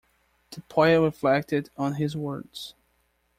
The poet reflected on his words.